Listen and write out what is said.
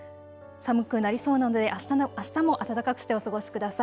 寒くなりそうなのであしたも暖かくしてお過ごしください。